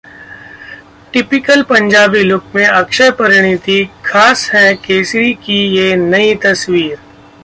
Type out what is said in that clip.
typical Punjabi look में अक्षय-परिणीति, ख़ास है केसरी की ये नई तस्वीर